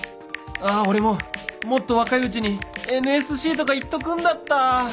あ俺ももっと若いうちに ＮＳＣ とか行っとくんだった！